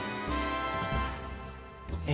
え